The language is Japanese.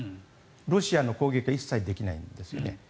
ロシアへの攻撃は一切できないんですね。